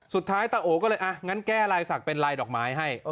ตาโอก็เลยอ่ะงั้นแก้ลายศักดิ์เป็นลายดอกไม้ให้